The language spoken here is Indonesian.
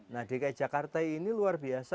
nah dki jakarta ini luar biasa